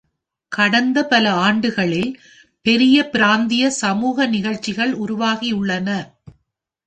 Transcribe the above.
கடந்த பல ஆண்டுகளில், பெரிய பிராந்திய சமூக நிகழ்ச்சிகள் உருவாகியுள்ளன.